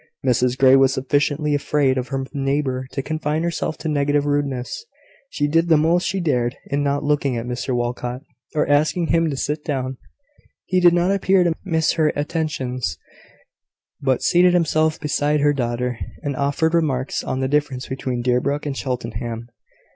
Mrs Grey was sufficiently afraid of her neighbour to confine herself to negative rudeness. She did the most she dared in not looking at Mr Walcot, or asking him to sit down. He did not appear to miss her attentions, but seated himself beside her daughter, and offered remarks on the difference between Deerbrook and Cheltenham.